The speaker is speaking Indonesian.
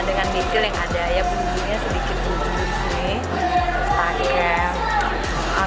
dengan desil yang ada ya bunyinya sedikit bubur di sini